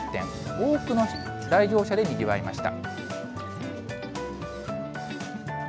多くの来場者でにぎわいました。